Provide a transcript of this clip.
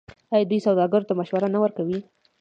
آیا دوی سوداګرو ته مشورې نه ورکوي؟